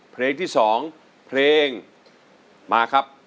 เพลงที่๒เพลงมาครับ